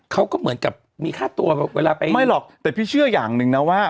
เขาก็เหมือนกับมีค่าตัวเวลาไปไม่หรอกแต่พี่เชื่ออย่างหนึ่งนะว่า